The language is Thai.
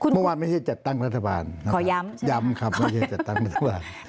เมื่อวานไม่ใช่จัดตั้งรัฐบาลขอย้ำครับไม่ใช่จัดตั้งรัฐบาล